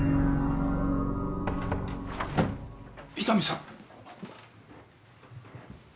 伊丹さん。